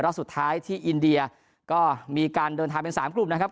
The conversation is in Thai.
สุดท้ายที่อินเดียก็มีการเดินทางเป็นสามกลุ่มนะครับ